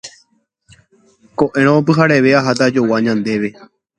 Ko'ẽrõ pyhareve aháta ajogua ñandéve.